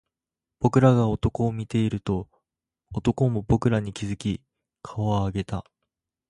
僕らが男を見ていると、男も僕らに気付き顔を上げた